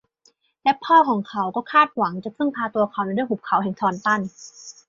และพ่อของเขาก็คาดหวังจะพึ่งพาตัวเขาในเรื่องหุบเขาแห่งทอนตัน